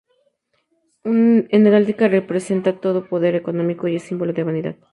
En heráldica, representa todo poder económico y es símbolo de vanidad.